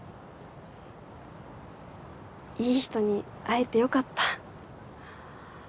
いい人に会えてよかった。